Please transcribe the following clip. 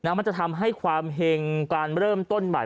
มันจะทำให้ความเห็งการเริ่มต้นใหม่